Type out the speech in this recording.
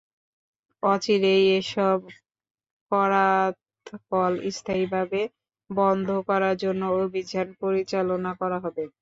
অচিরেই এসব করাতকল স্থায়ীভাবে বন্ধ করার জন্য অভিযান পরিচালনা করা হবে।